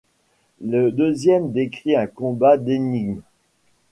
Le deuxième décrit un combat d’énigmes.